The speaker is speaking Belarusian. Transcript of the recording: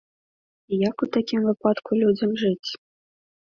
І як у такім выпадку людзям жыць?